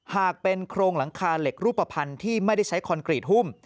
หากเป็นโครงหลังคาเหล็กรูปภัณฑ์ที่ไม่ได้ใช้คอนกรีตหุ้ม